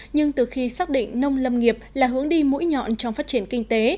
nhưng từ khi xác định nông lâm nghiệp là hướng đi mũi nhọn trong phát triển kinh tế